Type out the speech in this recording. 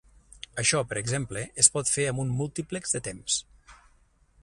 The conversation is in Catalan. Això per exemple es pot fer amb un múltiplex de temps.